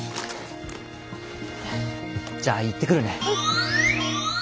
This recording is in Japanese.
じゃあ行ってくるね。